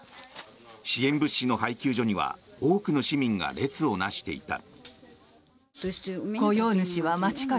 支援物資の配給所には多くの市民が列を成していた。